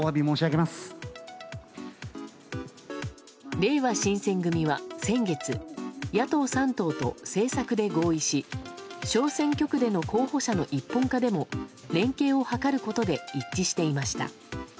れいわ新選組は先月野党３党と政策で合意し小選挙区での候補者の一本化でも連携を図ることで一致していました。